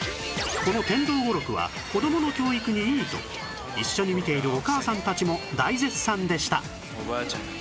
この天道語録は子供の教育にいいと一緒に見ているお母さんたちも大絶賛でした